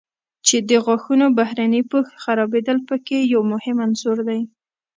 چې د غاښونو بهرني پوښ خرابېدل په کې یو مهم عنصر دی.